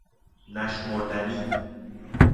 نشمردنی